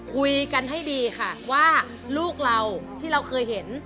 คุยกันให้ดีค่ะว่าลูกเราที่เราเคยเห็น